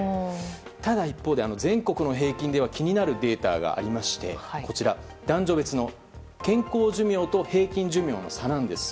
ただ、一方で全国の平均では気になるデータがありましてこちら、男女別の健康寿命と平均寿命の差なんです。